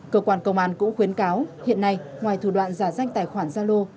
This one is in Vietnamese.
cơ quan công an cũng khuyến cáo hiện nay ngoài thủ đoạn giả danh tài khoản zalo